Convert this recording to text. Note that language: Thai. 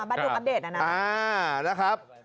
บ้านดุงอัปเดตนั้นนะ